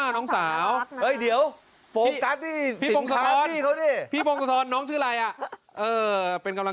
น้องสาวน้องสาว